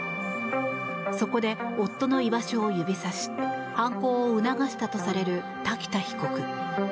そこで、夫の居場所を指さし犯行を促したとされる瀧田被告。